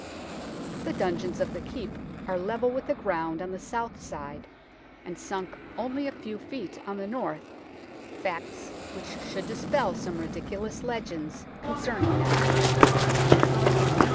The dungeons of the Keep are level with the ground on the south side, and sunk only a few feet on the north, facts which should 46 THE TOWER OF LONDON dispel some ridiculous legends concerning them.